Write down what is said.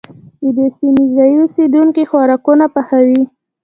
د دې سيمې ځايي اوسيدونکي خوراکونه پخوي.